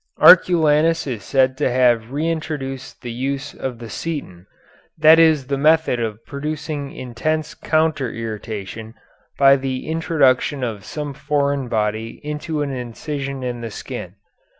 Arculanus is said to have re introduced the use of the seton, that is the method of producing intense counter irritation by the introduction of some foreign body into an incision in the skin.